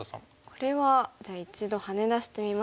これはじゃあ一度ハネ出してみますか。